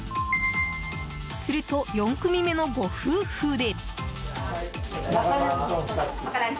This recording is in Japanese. すると、４組目のご夫婦で。